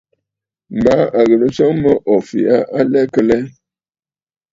Baa ò ghɨ̀rə nswoŋ mə o fɛ̀ʼ̀ɛ̀ aa a lɛ kə lɛ?